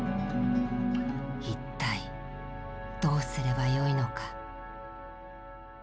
「一体どうすればよいのか」。